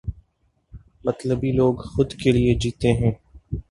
مطلبی لوگ خود کے لئے جیتے ہیں۔